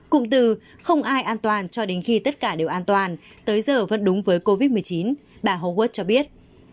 cụm từ không ai an toàn cho đến khi tất cả đều an toàn tới giờ vẫn đúng với covid một mươi chín bà huad cho biết